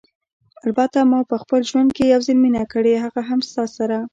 البته ما په خپل ژوند کې یو ځل مینه کړې، هغه هم ستا سره.